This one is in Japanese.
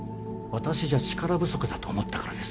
私じゃ力不足だと思ったからです